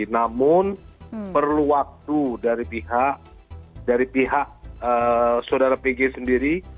namun perlu waktu dari pihak saudara pg sendiri